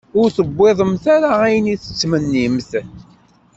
Ur tewwiḍemt ara ayen i tettmennimt?